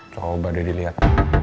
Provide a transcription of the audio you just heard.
coba dad dilihat